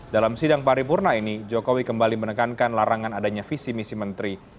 dalam sidang paripurna ini jokowi kembali menekankan larangan adanya visi misi menteri